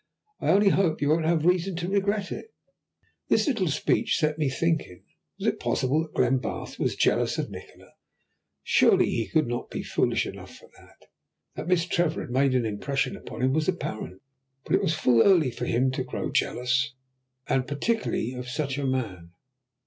"I only hope you won't have reason to regret it." This little speech set me thinking. Was it possible that Glenbarth was jealous of Nikola? Surely he could not be foolish enough for that. That Miss Trevor had made an impression upon him was apparent, but it was full early for him to grow jealous, and particularly of such a man.